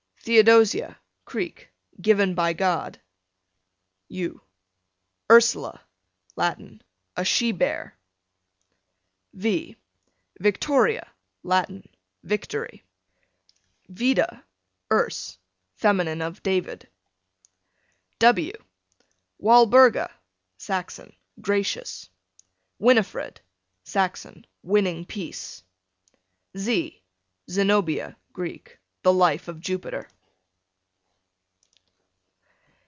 Theodosia, Creek, given by God. U Ursula, Latin, a she bear. V Victoria, Latin, victory. Vida, Erse, fem. of David. W Walburga, Saxon, gracious. Winifred, Saxon, winning peace. Z Zenobia, Greek, the life of Jupiter.